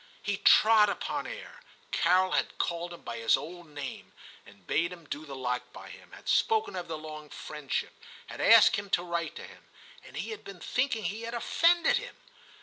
He trod upon air ; Carol had called him by his old name, and bade him do the like by him, had spoken of their long friendship, had asked him to write to him. And he had been thinking he had offended him